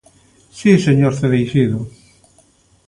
Si, señor Cereixido.